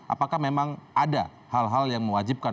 apakah memang ada hal hal yang mewajibkan